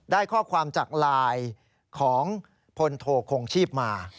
ได้ข้อความจากไลน์ของพลโทคงชีพมา